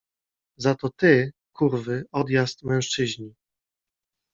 Za to ty — kurwy, odjazd, mężczyźni.